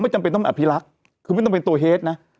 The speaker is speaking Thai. จำเป็นต้องอภิรักษ์คือไม่ต้องเป็นตัวเฮดนะ